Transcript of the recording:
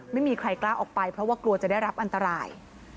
ไม่มีใครกล้าออกไปเพราะว่ากลัวจะได้รับอันตราย